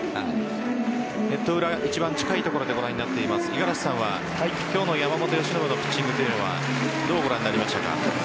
ネット裏、一番近い所でご覧になっている五十嵐さんは今日の山本由伸のピッチングはどうご覧になりましたか？